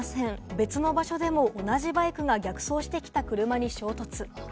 別の場所でも同じバイクが逆走してきた車に衝突。